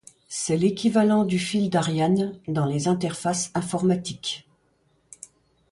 C'est l'équivalent du fil d'Ariane dans les interfaces informatiques.